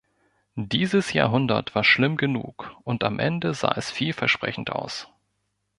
Dieses Jahrhundert war schlimm genug, und am Ende sah es vielversprechend aus.